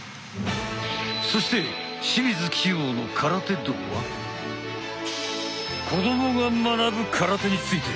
そして「清水希容の空手道」は「子どもが学ぶ空手」について。